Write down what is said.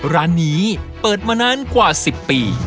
ร้านนี้เปิดมานานกว่า๑๐ปี